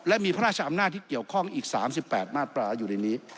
และมีพระราชอำนาจที่เกี่ยวข้องอีก๓๘มาตราอยู่ในนี้